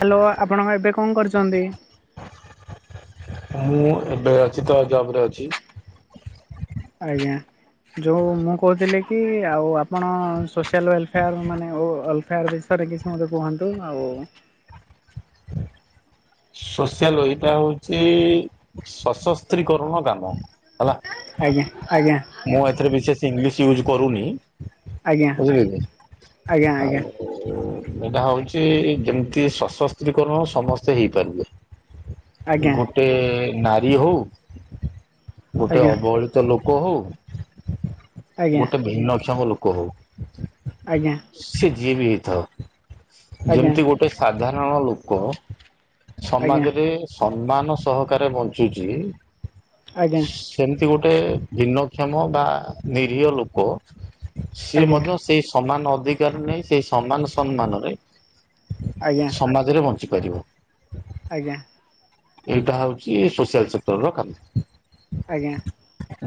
Hello ଆପଣ ଏବେ କଣ କରୁଚନ୍ତି? ମୁଁ ଏବେ ଅଛି ତ ଜବ ରେ ଅଛି। ଆଜ୍ଞା। ଯଉ ମୁଁ କହୁଥିଲି କି ଆଉ ଆପଣ ସୋସିଆଲ ୱଲଫେୟାର ମାନେ ଓ ଅଲ ଫେୟାର ବିଷରେ କିଛି ମୋତେ କୁହନ୍ତୁ ଆଉ ସୋସିଆଲ ଏଇଟା ହଉଚି ସଶସ୍ତ୍ରୀକରଣ କାମ। ହେଲା ଆଜ୍ଞା ଆଜ୍ଞା। ମୁଁ ଏଥିରେ ବିଶେଷ ଇଂଲିଶ ୟୁଜ୍ କରୁନି ଆଜ୍ଞା ବୁଝିଲେ କି ଆଜ୍ଞା ଆଉ ଏଇଟା ହଉଚି ଯେମିତି ସଶସ୍ତ୍ରୀକରଣ ସମସ୍ତେ ହେଇପାରିବେ। ଆଜ୍ଞା ଗୋଟେ ନାରୀ ହଉ ଗୋଟେ ଆଜ୍ଞା ଅବହେଳି ତ ଲୋକ ହଉ ଆଜ୍ଞା ଗୋଟେ ଭିନ୍ନକ୍ଷମ ଲୋକ ହଉ। ଆଜ୍ଞା। ସିଏ ଯିଏ ବି ହେଇଥାଉ ଯେମିତି ଗୋଟେ ସାଧାରଣ ଲୋକ ଆଜ୍ଞା ସମାଜରେ ସମ୍ମାନ ସହକାରେ ବଞ୍ଚୁଚି ଆଜ୍ଞା। ସେମିତି ଗୋଟେ ଭିନ୍ନକ୍ଷମ ବା ନିରୀହ ଲୋକ ସିଏ ଆଜ୍ଞା ମଧ୍ୟ ସେଇ ସ ସମାନ ଅଧିକାର ନେଇ ସେଇ ସମାନ ସମ୍ମାନରେ ଆଜ୍ଞା ଆଜ୍ଞା ଆଜ୍ଞା ସମାଜରେ ବଞ୍ଚି ପାରିବ। ଆଜ୍ଞା। ଏଇଟା ହଉଛି ସୋସିଆଲ ସେକ୍ଟର ର କାମ। ଆଜ୍ଞା।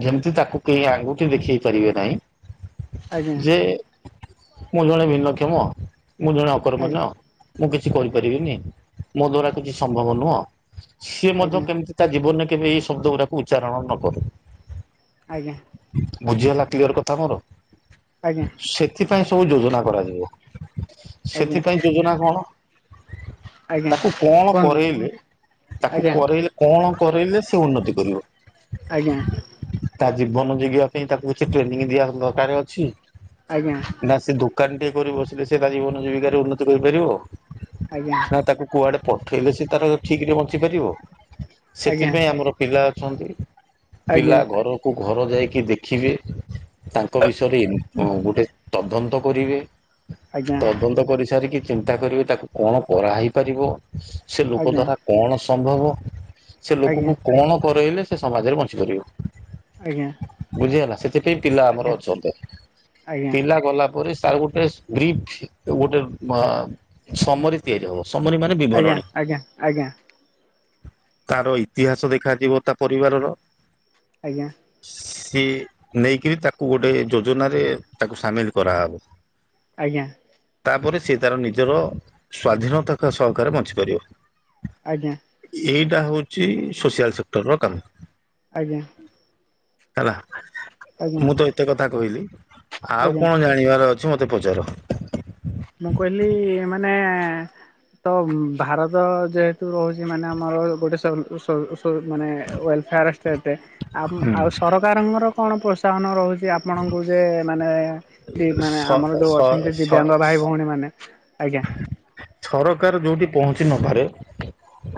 ଯେମିତି ତାକୁ କେହି ଆଙ୍ଗୁଠି ଦେଖେଇ ପାରିବେ ନାହିଁ ଆଜ୍ଞା ଆଜ୍ଞା ଆଜ୍ଞା ଯେ ମୁଁ ଜଣେ ଭିନ୍ନକ୍ଷମ ମୁଁ ଜଣେ ଅକର୍ମନ୍ୟ ମୁଁ କିଛି କରିପାରିବିନି। ମୋ ଦ୍ଵାରା କିଛି ସମ୍ଭବ ନୁହଁ ସିଏ ମଧ୍ୟ କେମିତି ତା ଜୀବନରେ କେବେ ଏଇ ଶବ୍ଦ ଉରାକୁ ଉଚ୍ଚାରଣ ନ କରୁ। ଆଜ୍ଞା। ବୁଝି ହେଲା କ୍ଲିୟର କଥା ମୋର? ଆଜ୍ଞା। ସେଥିପାଇଁ ସବୁ ଯୋଜନା କରାଯିବ ଆଜ୍ଞା ଆଜ୍ଞା ଆଜ୍ଞା ସେଥିପାଇଁ ଯୋଜନା କଣ? ଆଜ୍ଞା ତାକୁ କଣ କୁହନ୍ତୁ କରେଇଲେ ତାକୁ ଆଜ୍ଞା କରେଇ ଲେ କଣ କରେଇ ଲେ ସେ ଉନ୍ନତି କରିବ। ଆଜ୍ଞା। ତା ଜୀବନ ଜିଗିବା ପାଇଁ ତାକୁ କିଛି ଟ୍ରେନିଂ ଦିଆ ଦରକାରେ ଅଛି। ଆଜ୍ଞା। ନା ସେ ଦୋକାନ ଟିଏ କରି ବସିଲେ ସେ ତା ଜୀବନ ଜୀବିକାରେ ଉନ୍ନତି କରିପାରିବ। ଆଜ୍ଞା। ନା ତାକୁ କୁଆଡେ ପଠେଇଲେ ସେ ତାର ଠିକ୍ ରେ ବଞ୍ଚି ପାରିବ ଆଜ୍ଞା ସେଥିପାଇଁ ଆମର ପିଲା ଅଛନ୍ତି ଆଜ୍ଞା ପିଲା ଘରକୁ ଘର ଯାଇକି ଦେଖିବେ ତାଙ୍କ ବିଷୟରେ ଗୋଟେ ତଦନ୍ତ କରିବେ ଆଜ୍ଞା ତଦନ୍ତ କରି ସାରିକି ଚିନ୍ତା କରିବେ ତାକୁ କଣ କରାହେଇ ପାରିବ ସେ ଲୋକ ଆଜ୍ଞା ଦ୍ଵାରା କଣ ସମ୍ଭବ। ସେ ଆଜ୍ଞା ଲୋକକୁ କଣ କରେଇଲେ ସେ ସମାଜରେ ବଞ୍ଚି ପାରିବ। ଆଜ୍ଞା। ବୁଝିହେଲା ସେଥିପାଇଁ ପିଲା ଆମର ଅଛନ୍ତି ଆଜ୍ଞା ପିଲା ଗଲା ପରେ ତାର ଗୋଟେ ଗ୍ରିଫ ଗୋଟେ ସମରି ତିଆରି ହବ। ସମରି ମାନେ ଆଜ୍ଞା ବିଭରଣୀ। ଆଜ୍ଞା ଆଜ୍ଞା ତାର ଇତିହାସ ଦେଖାଯିବ ତା ପରିବାରର। ଆଜ୍ଞା। ସେ ନେଇକିରି ତାକୁ ଗୋଟେ ଯୋଜନାରେ ତାକୁ ସାମିଲ କରାହେବ। ଆଜ୍ଞା। ତାପରେ ସେ ତାର ନିଜର ସ୍ୱାଧୀନତା ସହକାରେ ବଞ୍ଚିପାରିବ। ଆଜ୍ଞା। ଏଇଟା ହଉଛି ସୋସିଆଲ ସେକ୍ଟରର କାମ। ଆଜ୍ଞା। ହେଲା ଆଜ୍ଞା ମୁଁ ତ ଏତେ କଥା କହିଲି ଆଉ ଆଜ୍ଞା କଣ ଜାଣି ଜାଣିବାର ଅଛି ମତେ ପଚାର। ମୁଁ କହିଲି ମାନେ ତ ଭାରତ ଯେହେତୁ ରହୁଛି ମାନେ ଆମର ଗୋଟେ ସୋଲ-ସୋଲ ସୋ ମାନେ ୱେଲଫେୟାର ସେଟେ ଆଉ ଆଉ ସରକାରଙ୍କର କଣ ପ୍ରୋତ୍ସାହନ ରହୁଛି ଆପଣଙ୍କୁ ଯେ ମାନେ ଦି ମାନେ ସ ଆମର ଯୋଉ ସ ଅଛନ୍ତି ସ ଦିବ୍ୟାଙ୍ଗ ଭାଇ ଭଉଣୀ ମାନେ ଆଜ୍ଞା। ସରକାର ଯୋଉଠି ପହଞ୍ଚି ନପାରେ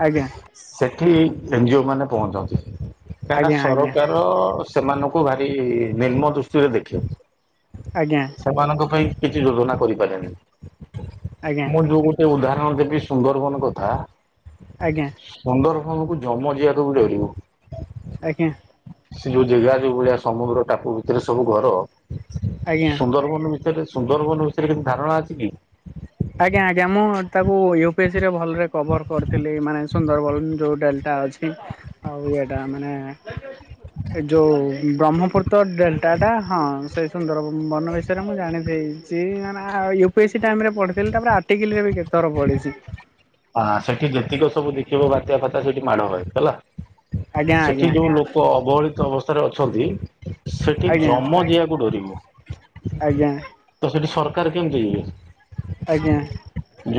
ଆଜ୍ଞା। ସେଠି ଏନଜିଓ ମାନେ ପହଞ୍ଚନ୍ତି କାହିଁକିନା ଆଜ୍ଞା ଆଜ୍ଞା ସରକାର ସେମାନଙ୍କୁ ଭାରି ନିମ୍ନ ଦୃଷ୍ଟିରେ ଦେଖେ। ଆଜ୍ଞା। ସେମାନଙ୍କ ପାଇଁ କିଛି ଯୋଜନା କରିପାରେନି। ଆଜ୍ଞା। ମୁଁ ଯୋଉ ଗୋଟେ ଉଦାହରଣ ଦେବି ସୁନ୍ଦରବନ କଥା। ଆଜ୍ଞା। ସୁନ୍ଦରବନକୁ ଯମ ଯିବାକୁ ବି ଡରିବ। ଆଜ୍ଞା। ସେ ଯୋଉ ଜାଗା ଯୋଉ ଭଳିଆ ସମୁଦ୍ର ଟାପୁ ଭିତରେ ସବୁ ଘର ଆଜ୍ଞା। ସୁନ୍ଦରବନ ଭିତରେ ସୁନ୍ଦରବନ ବିଷୟରେ କେ ଧାରଣା ଅଛି କି? ଆଜ୍ଞା ଆଜ୍ଞା ମୁଁ ତାକୁ ୟୁ ପି ଏସ୍ ସ ରେ ଭଲରେ କଭର କରିଥିଲି ମାନେ ସୁନ୍ଦରବନ ଯୋଉଟଡା ଏଟା ଅଛି ଆଉ ଏଇଟା ମାନେ ଏ ଯୋଉ ବ୍ରହ୍ମପୁତ୍ର ଡେଲ୍ଟାଟା ହଁ ସେଇ ସୁନ୍ଦର ବନ ବିଷୟରେ ମୁଁ ଜାଣିଛି ସେ E [unintelligible] U P S C time ରେ ପଢିଥଲି ତାପରେ ଆର୍ଟିକଲ ରେ ବି କେତେ ଥର ପଢିଛି। ହଁ ସେଠି ଯେତିକ ସବୁ ଦେଖିବ ବାତ୍ୟା ଫାଟ୍ୟା ସେଠି ମାଡ ହୁଏ ହେଲା ଆଜ୍ଞା ସେଠି ଆଜ୍ଞା ଯୋଉ ଲୋକ ଅବହେଳିତ ଅବସ୍ଥାରେ ଅଛନ୍ତି। ସେଠି ଆଜ୍ଞା ଜମ ଯିବାକୁ ଡରିବ। ଆଜ୍ଞା ତ ସେଠି ସରକାର କେମିତି ଯିବେ? ଆଜ୍ଞା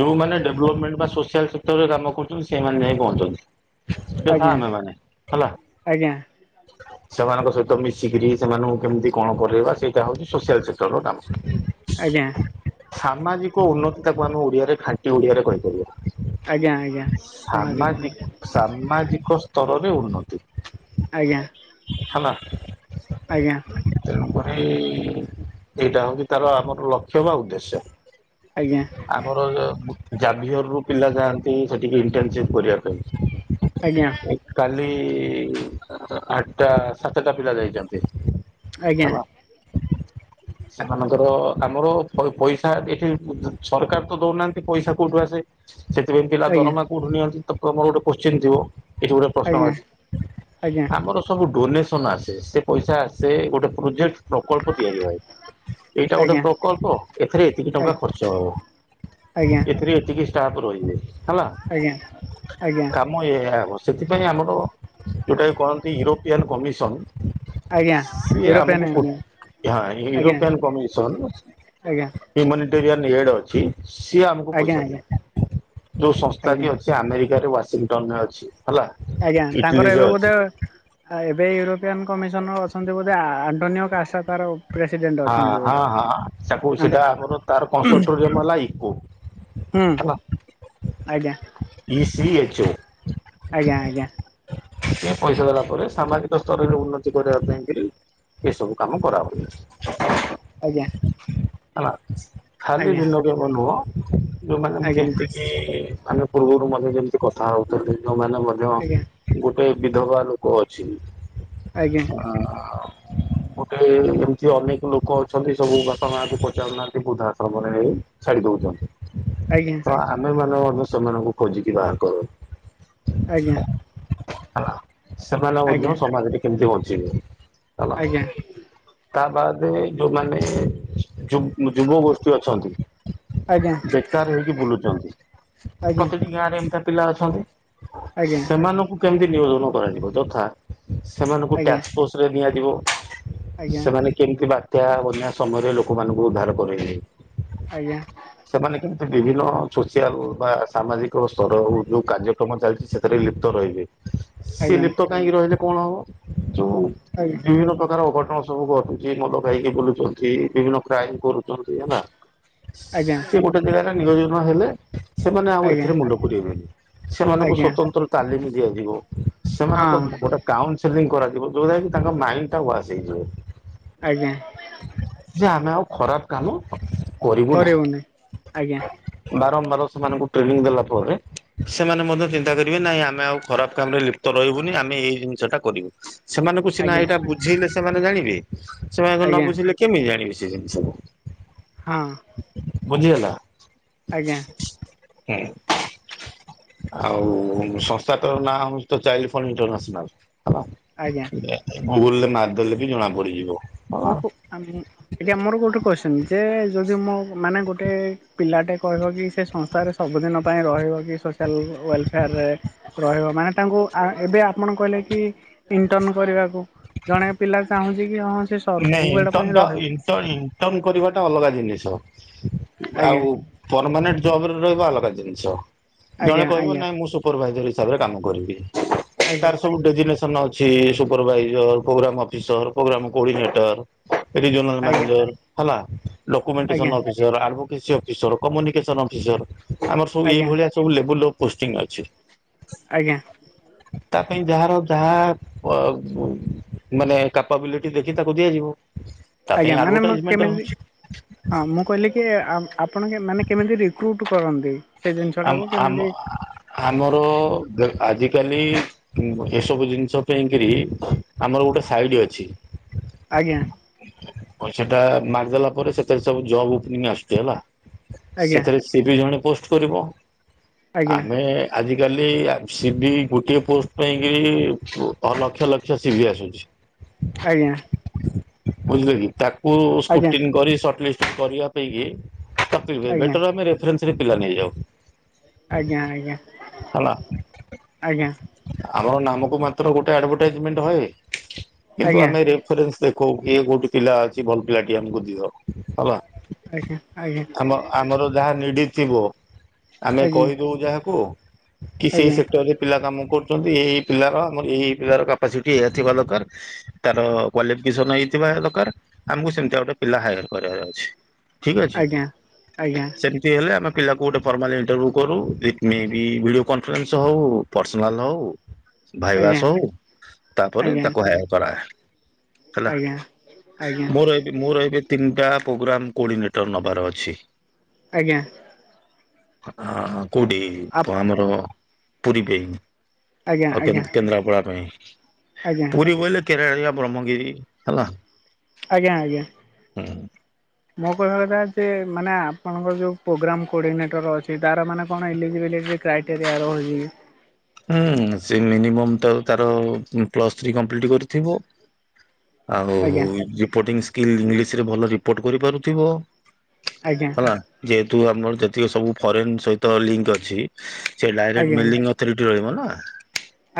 ଯୋଉମାନେ ଡେଭଲପମେଣ୍ଟ ବା ସୋସିଆଲ ସେକ୍ଟରରେ କାମ କରୁଛନ୍ତି ସେମାନେ ଯାଇ ପହଞ୍ଚନ୍ତି। ଯଥା ଆଜ୍ଞା। ଆମେ ମାନେ ହେଲା। [inaudible] ସେମାନଙ୍କ ସହିତ ମିଶିକରି ସେମାନଙ୍କୁ କେମିତି କଣ କରରେଇବା ସେଇଟା ହଉଛି ସୋସିଆଲ ସେକ୍ଟର ର କାମ। ଆଜ୍ଞା ସାମାଜିକ ଉନ୍ନତି ତାକୁ ଆମେ ଓଡିଆରେ ଖାଣ୍ଟି ଓଡିଆରେ କହିପାରିବା। ଆଜ୍ଞା ଆଜ୍ଞା ସାମାଜିକ ସାମାଜି ସାମାଜିକ ସ୍ତରରେ ଉନ୍ନତି। ଆଜ୍ଞା। ହେଲା। ଆଜ୍ଞା। ତେଣୁକରି ଏଇଟା ହୋଉଚି ତାର ଆମର ଲକ୍ଷ୍ୟ ବା ଉଦ୍ଦେଶ୍ୟ। ଆଜ୍ଞା। ଆମର ଜାଭିୟରରୁ ପିଲା ଯାଆନ୍ତି ସେଠିକି ଇଣ୍ଟର୍ନସିପ କରିବା ପାଇଁ। ଆଜ୍ଞା। କାଲି ଆଟଟା ସାତଟା ପିଲା ଯାଇଚନ୍ତି। ଆଜ୍ଞା। ହେଲା। [inaudible] ସେମାନଙ୍କର ଆମର ପ-ପଇସା ଏଠି ସରକାର ତ ଦୋଉନାହାନ୍ତି ପଇସା କୋଉଠୁ ଆସେ? ସେଥିପାଇଁ ପିଲା ଆଜ୍ଞା ଦରମା କୋଉଠି ନିଅନ୍ତି ତ ତମର ଗୋଟେ କୋଶ୍ଚିିନ ଥିବ। ଏଠି ଗୋଟେ ପ୍ରଶ୍ନ ଆଜ୍ଞା ଅଛି ଆମର ସ୍ ସବୁ ଡୋନେସନ୍ ଆସେ ସେ ପଇସା ଆସେ ଗୋଟେ ପ୍ରୋଜେକ୍ଟ ପ୍ରକଳ୍ପ ତିଆରି ହଏ ଏଇଟା ଗୋଟେ ଆଜ୍ଞା ପ୍ରକଳ୍ପ ଏଥିରେ ଏତିକି ଆଜ୍ଞା ଟଙ୍କା ଖର୍ଚ୍ଚ ହବ। ଆଜ୍ଞା। ଟିକେ ଷ୍ଟାପ ରହିବେ। ଆଜ୍ଞା ଆଜ୍ଞା। ତୁମ ଏଇଆ ହବ ସେଥିପାଇଁ ଆମର ଯୋଉଟାକୁ କହନ୍ତି ୟୁରୋପିଆନ୍ କମିଶନ୍ ଆଜ୍ଞା ୟୁରୋପିଆନ୍ ୟୁନିଅନ୍। ହଁ ୟୁରୋପିଆନ କମିସନ୍। ଆଜ୍ଞା ହୁମାନିଟେରିଆନ୍ ହେଡ୍ ଅଛି ସିଏ ଆମକୁ ଆଜ୍ଞା ଆଜ୍ଞା ପଇସା ଆଜ୍ଞା ଦିଏ। ଯୋଉ ସଂସ୍ଥା ଆଜ୍ଞା କି ଅଛି ଆମେରିକାରେ ୱାଶିଂଟନରେ ଅଛି। ହେଲା ଆଜ୍ଞା ତାଙ୍କର ଇଟଲୀରେ ଏବେ ଅଛି। ବୋଧେ ଆ ଏବେ ଏଇ ୟୁରୋପିଆନ କମିଶନର୍ ଅଛନ୍ତି ବୋଧେ ଆଣ୍ଟୋନିଓ କାସା ତାର ପ୍ରେସିଡେଣ୍ଟ ହଁ ଅଛନ୍ତି ହଁ ବୋଧେ ହଁ ତାକୁ ସେଟା ହୁଁ ଆମର ତାର କଂସଟୋରିଅମ ହେଲା ଇକୋ। ହୁଁ ହେଲା। ଆଜ୍ଞା। E C H O. ଆଜ୍ଞା ଆଜ୍ଞା। ଟିକେ ପଇସା ଦେଲାପରେ ସାମାଜିକ ସ୍ତରରେ ଉନ୍ନତି କରିବା ପାଇଁକିରି ଏ ସବୁ କାମ କରାହୁଏ। ଆଗି ହେଲା ଖାଲି ଆଜ୍ଞା ଦିନକେର ନୁହଁ ଯୋଉମାନେ ମୁଁ ଆଜ୍ଞା ଯେମତି ଆମେ ପୂର୍ବରୁ ମଧ୍ୟ ଯେମିତି କଥା ହୋଉଛନ୍ତି ଯୋଉମାନେ ମଧ୍ୟ ଆଜ୍ଞା ଗୋଟେ ବିଧବା ଲୋକ ଅଛି ଆଜ୍ଞା ଆ ଗୋଟେ କିଏ ଅନେକ ଲୋକ ଅଛନ୍ତି ସବୁ ବାପା ମାଆକୁ ପଚାରୁନାହାନ୍ତି ବୁଦ୍ଧା ଆଶ୍ରମରେ ନେଇ ଛାଡିଦୋଉଚନ୍ତି। ଆଜ୍ଞା। ତ ଆମେମାନେ ମଧ୍ୟ ସେମାନଙ୍କୁ ଖୋଜିକି ବାହାର କରୁ। ଆଜ୍ଞା। ହେଲା ସେମାନେ ଆଜ୍ଞା ମଧ୍ୟ ଆଜ୍ଞା ସମାଜରେ କେମତି ବଞ୍ଚିବେ। ହେଲା ଆଜ୍ଞା। ତା ବାଦେ ଯୋଉମାନେ ଯୁ-ଉଁ-ଯୁବ ଗୋଷ୍ଠୀ ଅଛନ୍ତି ଆଜ୍ଞା ବେକାର ହେଇକି ବୁଲୁଚନ୍ତି ପ୍ରତିଟି ଗାଁରେ ଏମତିଆ ପିଲା ଅଛନ୍ତି। ଆଜ୍ଞା ସେମାନଙ୍କୁ କେମିତି ନିୟୋଜନ କରାଯିବ ଯଥା ସେମାନଙ୍କୁ ଆଜ୍ଞା ଟାକ୍ସ ପୋସ୍ ରେ ନିଆଯିବ। ଆଜ୍ଞା ସେମାନେ କେମିତି ବାତ୍ୟା ବନ୍ୟା ସମୟରେ ଲୋକମାନଙ୍କୁ ଉଦ୍ଧାର କରାଇବେ ଆଜ୍ଞା। ସେମାନେ କେମିତି ବିଭିନ୍ନ ସୋସିଆଲ୍ ବା ସାମାଜିକ ସ୍ତର ଯଉ କାର୍ଯ୍ୟ କ୍ରମ ଚାଲିଚି ସେଥିରେ ଲିପ୍ତ ରହିବେ। ସିଏ ଆଜ୍ଞା ଲିପ୍ତ କାହିଁକି ରହିଲେ କଣ ହବ? ଆଜ୍ଞା ସବୁ ଘଟୁଚି ମଦ ଖାଇକି ବୁଲୁଚନ୍ତି ବିଭିନ୍ନ କ୍ରାଇମ୍ କରୁଚନ୍ତି ହେଲା। ଆଜ୍ଞା। ସେ ଗୋଟେ ଜାଗାରେ ନିୟୋଜନ ହେଲେ ସେମାନେ ଆଉ ଆଜ୍ଞା ଏଥିରେ ମୁଣ୍ଡ ପୁରେଇବେନି ସେମାନଙ୍କୁ ଆଜ୍ଞା ସ୍ଵତନ୍ତ୍ର ତାଲିମ୍ ଦିଆଯିବ ସେମାନଙ୍କ ହଁ ଗୋଟେ କାଉନସେଲିଂ କରାଯିବ ଯଉଟା କି ତାଙ୍କ ମାଇଣ୍ଡ୍ ଟା ୱାସ୍ ହେଇଯିବ। ଆଜ୍ଞା। ଯେ ଆମେ ଆଉ ଖରାପ୍ କାମ କରିବୁ ନାହିଁ। କରିବୁନି ଆଜ୍ଞା ବାରମ୍ବାର ସେମାନଙ୍କୁ ଟ୍ରେନିଂ ଦେଲା ପରେ ସେମାନେ ମଧ୍ୟ ଚିନ୍ତା କରିବେ ନାହିଁ ଆମେ ଆଉ ଖରାପ୍ କାମ ରେ ଲିପ୍ତ ରହିବୁନି ଆମେ ଏଇ ଜିନିଷ ଟା କରିବୁ। ସେମାନଙ୍କୁ ସିନା ଆଜ୍ଞା ଏଇଟା ବୁଝେଇଲେ ସେମାନେ ଜାଣିବେ ସେମାନଙ୍କୁ ଆଜ୍ଞା ନବୁଝିଲେ କେମିତି ଜାଣିବେ ସେ ଜିନିଷକୁୁ। ହଁ। ବୁଝିହେଲା। ଆଜ୍ଞା। ହୁଁ। ଆଉ ସଂସ୍ଥା ତ ନାଁ ତ ଚାଇଲ୍ଡ ଫଣ୍ଡ୍ ଇଣ୍ଟରନାସନାଲ୍ ହେଲା। ଆଜ୍ଞା ଗୁଗୁଲ୍ ରେ ମାର୍ ଦେଲେ ବି ଜଣା ପଡିଯିବ। ହେଲା। ମୁକୁ ଆମେ ଏଟା ମୋର ଗୋଟେ କୋଶ୍ଚିନ୍ ଯେ ଯଦି ମୋ- ମାନେ ଗୋଟେ ପିଲାଟେ କହିବ କି ସେ ସଂସ୍ଥାରେ ସବୁଦିନ ପାଇଁ ରହିବ କି ସୋସିଆଲ୍ ୱେଲଫେୟାର୍ ରେ ରହିବ ମାନେ ତାଙ୍କୁ ଆ- ଏବେ ଆପଣ କହିଲେ କି ଇଣ୍ଟନ୍ କରିବାକୁ। ଜଣେ ପିଲା ଚାହୁଁଛି କି ହଁ ସେ ନାଇଁ ସବୁବେଳ ଇଣ୍ଟ ପାଇଁ ଟା ରହିବ ଇଣ୍ଟ-ଇଣ୍ଟନ୍ କରିବାଟା ଅଲଗା ଜିନିଷ ଆଉ ଆଜ୍ଞା ପରମାନେଣ୍ଟ୍ ଜବ୍ ରେ ରହିବା ଅଲଗା ଜିନିଷ ଜଣେ ଆଜ୍ଞା କହିବ ଆଜ୍ଞା ନାଇଁ ମୁଁ ସ ସୁପରଭାଇଜର ହିସାବରେ କାମ କରିବି ଆଜ୍ଞା ତାର ସବୁ ଡେଜିନେସ୍ ତନ ଅଛି supervisor, programme office programme coordinator regional ଆଜ୍ଞା ମ୍ୟାନେଜର ହେଲା ଲୋକ ଆଜ୍ଞା ମେଣ୍ଟିସନ୍ officer advocacy officer, communication officer ଆମର ସବୁ ଆଜ୍ଞା ଏଇଭଳିଆ ସବୁ ଲେବୁଲ୍ ର ପୋଷ୍ଟିଙ୍ଗ୍ ଅଛି। ଆଜ୍ଞା। ତା ପାଇଁ ଯାହାର ଯାହା ଅ- ମାନେ କ୍ୟାପାବିଲି ଟି ଦେଖି ତାକୁ ଦିଆଯିବ। ତା ପାଇଁ ଆଜ୍ଞା ମାନେ ମୁଁ ଆଡଭର୍ଟାଇଜମେଣ୍ଟ କେମିତି ହଉଛି ହଁ ମୁଁ କହିଲି କିଏ ଆ-ଆପଣ କେ- ମାନେ କେମିତି ରିକ୍ରୁଟ୍ କରନ୍ତି ସେ ଆମ ଜିନିଷଟାକୁ ଆମ କେମିତି ଆମର ଦେ- ଆଜିକାଲି ଉଁ -ଏସବୁ ଜିନିଷ ପାଇଁ କିରି ଆମର ଗୋଟେ ସାଇଡି ଅଛି। ଆଜ୍ଞା। ପଇସା ଟା ମାରି ଦେଲା ପରେ ସେଥିରେ ସବୁ ଜବ୍ ଉପନିଙ୍ଗ୍ ଆସୁଚି ହେଲା ଆଜ୍ଞା ସେଥିରେ ସେ ତିବି ଜଣେ ପୋଷ୍ଟ୍ କରିବ ଆଜ୍ଞା ଆମେ ଆଜିକାଲି ଆ-ସିିବି ଗୋଟିଏ ପୋଷ୍ଟ୍ ପାଇଁକି ଲକ୍ଷ ଲକ୍ଷ ସିବି ଆସୁଚି। ଆଜ୍ଞା। ବୁଝିଲେ କି ତାକୁ ଆଜ୍ଞା ସ୍କୁଟିନ୍ କରି ସଟ୍ଲିଷ୍ଟ୍ କରିବା ପାଇଁକି ତକଲିଫ୍ ଆଜ୍ଞା ବେଟର୍ ଆମେ ରେଫରେନ୍ସ ରେ ପିଲା ନେଇଯାଉ। ଆଜ୍ଞା ଆଜ୍ଞା ହେଲା। -ଆଜ୍ଞା। ଆମର ନାମକୁ ମାତ୍ର ଗୋଟେ ଆଡଭାଟାଇଜମେଣ୍ଟ ହଏ କିନ୍ତୁ ଆଜ୍ଞା ଆମେ ରେ ରେଫ୍ ରେନ୍ସି ଦେଖ କଉ-କିଏ ଗୋଟେ ପିଲା ଅଛି ଭଲ୍ ପିଲାଟିଏ ଆମକୁ ଦିଅ ହେଲା। ଆଜ୍ଞା- ଆଜ୍ଞା। ଆମ ଆମର ଯାହା ନିଡି ଥିବ। ଆଜ୍ଞା ଆମେ ଆଜ୍ଞା ଆଜ୍ଞା କହିଦଉ ଯାହାକୁ କି ସେଇ ଆଜ୍ଞା ସେକ୍ଟରରେ ପିଲା କାମ କରୁଛନ୍ତି ଏ ଏଇ ପିଲାର ଆମର ଏ ଏଇ ପିଲାର କପାସିଟି ଏଇୟା ଥିବା ଦରକାର। ତାର କ୍ଵାଲିଫିକେସନ ହେଇଥିବା ଆମକୁ ସେମିତିଆ ଗୋଟେ ପିଲା ହାୟାର କରିବାର ଅଛି ଠିକ ଅଛି ଆଜ୍ଞା ଆଜ୍ଞା ସେମି ହେଲେ ଆମେ ପିଲାକୁ ଗୋଟେ ଫର୍ମାଲୀ ଏଣ୍ଟର୍ଭିଉ କରୁ [unintelligible] ଭିଡିଓ କନଫରେନ୍ସ ହଉ। ପର୍ସନାଲ୍ ହଉ ଭାଇବାସ ହଉ ତାପରେ ତାକୁ ହାୟାର କରାଏ। ହେଲା। ଆଜ୍ଞା। ଆଜ୍ଞା ମୋର ଏବେ ମୋର ଏବେ ତିନିଟା ପ୍ରୋଗ୍ରାମ କୋଡିନେଟର ନବାର ଅଛି। ଆଜ୍ଞା। ଆଁ କୋଉଠି ଆପ ଆମର ପୁରୀ ପାଇଁ। ଆଜ୍ଞା ଆଉ କେ ଆଜ୍ଞା କେନ୍ଦ୍ରାପଡା ପାଇଁ। ଆଜ୍ଞା। ପୁରୀ ବୋଇଲେ କେରେଳିଆ ବ୍ରହ୍ମଗିରି ହେଲା। ଆଜ୍ଞା ଆଜ୍ଞା। ହୁଁ। ମୋ କହିବା କଥା ଯେ ମାନେ ଆପଣଙ୍କର ଯଉ ପୋଗ୍ରାମ କୋର୍ଡିନେଟର ଅଛି ତାର ମାନେ କଣ ଏଲିଜିବିଲିଟି କ୍ରାଇଟେରିଆ ରହୁଜି ଗି। ହୁଁ ସେ ମିନିମମ୍ ତ ତାର ପ୍ଲସ୍ ଥ୍ରୀ କମ୍ପ୍ଲିଟ କରିଥିବ। ଆଉ ଆଜ୍ଞା ରିପୋର୍ଟିଂ ସ୍କିଲ୍ ଇଂଲିଶ ରେ ଭଲ ରିପୋର୍ଟ କରିପାରୁଥିବ। ଆଜ୍ଞା ହେଲା ଯେହେତୁ ଆମର ଯେତିକି ସବୁ ଫରେନ ସହିତ ଲିଙ୍କ ଅଛି। ସେ ଡାଇରେକ୍ଟ ଆଜ୍ଞା [unintelligible] ଅଥରିଟି ରହିବ ନା।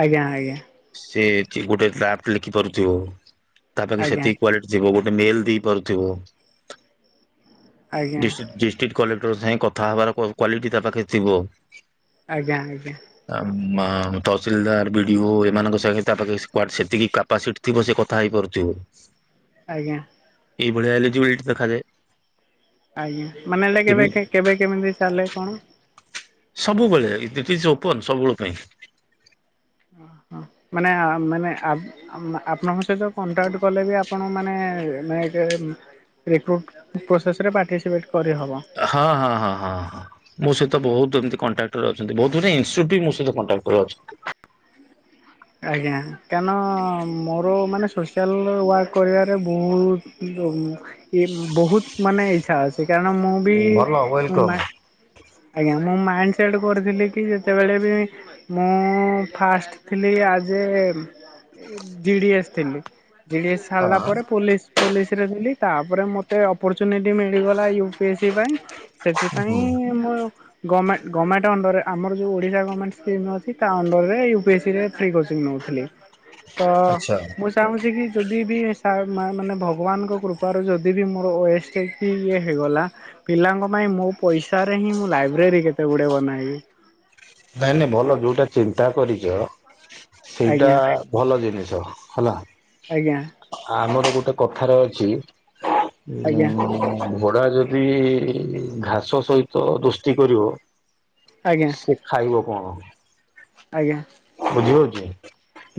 ଆଜ୍ଞା ଆଜ୍ଞା। ସେ ଗୋଟେ ଡ୍ରାଫ୍ଟ ଲେଖି ପାରୁଥିବ ତା ପାଖେ ଆଜ୍ଞା ସେତିକି କ୍ଵାଲି ଯିବ ଗୋଟେ ମେଲ ଦେଇପାରୁଥିବ। ଆଜ୍ଞା ଡିଷ୍ଟ୍ରିକ୍ଟ କଲେକ୍ଟର ସାଙ୍ଗେ କଥା ହବାର କ୍ୱାଲିଟି ତା ପାଖରେ ଥିବ। ଆଜ୍ଞା ଆଜ୍ଞା। ଆ ତହସିଲଦାର ବିଡିଓ ସେମାନଙ୍କ ସାଙ୍ଗେ ତା ପାଖରେ ସେତିକି କାପାସିଟି ଥିବ ସେ କଥା ହେଇପାରୁଥିବ। ଆଜ୍ଞା। ଏଇଭଳିଆ ଏଲିଜିବିଲିଟ୍ ଦେଖାଯାଏ। ଆଜ୍ଞା ମାନେ ହେଲେ କେମି କେବେ କେବେ କେମିତି ଚାଲେ କଣ? ସବୁବେଳେ [unintelligible] ଓପନ୍ ସବୁବେଳ ପାଇଁ। ମାନେ ଆ ମାନେ ଆ ଆପଣଙ୍କ ସହିତ କଣ୍ଟାକ୍ଟ କଲେ ବି ଆପଣ ମାନେ [unintelligible] ରିକ୍ରୁଟ୍ ପ୍ରୋସେସ୍ ରେ ପାର୍ଟିସିପେଟ୍ କରିହେବ। ହଁ ହଁ ହଁ ହଁ ହଁ। ମୋ ସହିତ ବହୁତ ଏମିତି କଣ୍ଟାକ୍ଟରେ ଅଛନ୍ତି ବହୁତ ମାନେ [unintelligible] ମ ସହିତ କଣ୍ଟାକ୍ଟରେ ଅଛନ୍ତି। ଆଜ୍ଞା କାରଣ ମୋର ମାନେ ସୋସିଆଲ ୱାର୍କ କରିବାରେ ବହୁତ ବହୁତ ମାନେ ଇଚ୍ଛା ଅଛି କାରଣ ମୁଁ ବି ଭଲ ମୋ ୱେଲକମ୍ ଆଜ୍ଞା ମୁଁ ମାଇଣ୍ଡ ସେଟ୍ କରିଥିଲି କି ଯେତେବେଳେ ବି ମୁଁ ଫାଷ୍ଟ ଥିଲି ଆ ଜେ ଏ ଜିଡିଏସ୍ ଥିଲି ଜିଡିଏସ୍ ହଁ ସାରିଲା ପରେ ପୋଲିସ। ପୋଲିସରେ ଦେଲି ତାପରେ ମୋତେ ଅପର୍ଚୁନିଟି ମିଳିଗଲା ୟ ସେଥିପାଇଁ - ହୁଁ ସେଥିପାଇଁ ମୋର ଗମେଣ୍ଟ ଗମେଣ୍ଟ ଅଣ୍ଡରେ ଆମର ଯଉ ଓଡିଶା ଗମେଣ୍ଟ ସ୍କିମ୍ ଅଛି ତା ଅଣ୍ଡରରେ ୟୁପି ବିରେ ଫ୍ରି କୋର୍ସ ନଉ ଥିଲେ ତ ଆଚ୍ଛା ଚାହୁଁଛି କି ଯଦି ବି ସାର୍ ମାନେ ଭଗବାନଙ୍କ କୃପାରୁ ଯଦି ବି ମୋର ଓଏସ୍ ହେ ଇଏ ହେଇଗଲା ପିଲାଙ୍କ ପାଇଁ ମୋ ପଇସାରେ ହିଁ ମୁଁ ଲାଇବ୍ରେରୀ କେତେ ଗୁଡେ ବନାଇବି। ନାଇଁ ନାଇଁ ଭଲ ଯୋଉଟା ଚିନ୍ତା କରିଛ ସେଇଟା ଆଜ୍ଞା ଭଲ ଜିନିଷ ହେଲା। ଆଜ୍ଞା। ଆମର ଗୋଟେ କଥାରେ ଅଛି ଆଜ୍ଞା ଉ ଘୋଡା ଯଦି ଘାସ ସହିତ ଦୋସ୍ତି କରିବ। ଆଜ୍ଞା। ସେ ଖାଇବ କଣ? ଆଜ୍ଞା। ବୁଝିହଉଛି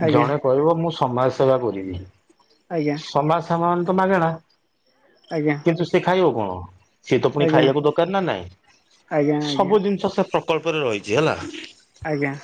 ଆଜ୍ଞା ଜଣେ କହିବ ମୁଁ ସମାଜ ସେବା କରିବି। ଆଜ୍ଞା। ସମାଜ ସେବା ମାନେ ତ ମାଗେଣା? ଆଜ୍ଞା। କିନ୍ତୁ ସେ ଖାଇବ କଣ ସିଏ ତ ପୁଣି ଆଜ୍ଞା ଖାଇବାକୁ ଦରକାର ନା ଆଜ୍ଞା ନାଇଁ ଆଜ୍ଞା ସବୁ ଜିନିଷ ପ୍ରକଳ୍ପରେ ରହିଛି ହେଲା। ଆଜ୍ଞା।